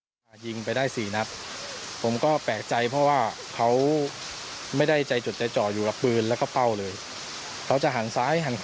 ผู้โดยการที่ถอยมาก้าวหนึ่งแล้วก็หลบไปด้านขวาอย่าให้หางตาเขาเห็นตระมาณนี้ครับ